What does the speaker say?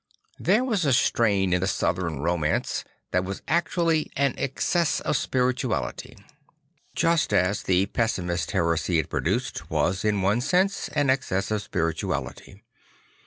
There \vas a strain in the southern romance that was actually an excess 7 6 St. Francis of A ssisi of spirituality; just as the pessimist heresy it produced was in one sense an excess of spirituality.